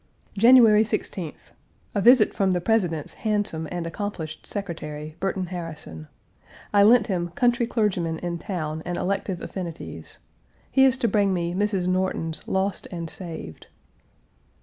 January 16th A visit from the President's handsome and accomplished secretary, Burton Harrison. I lent him Country Clergyman in Town and Elective Affinities. He is to bring me Mrs. Norton's Lost and Saved.